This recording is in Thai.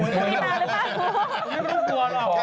ไม่ต้องกลัวพวกหนูเลยไม่ต้องกลัวหรอก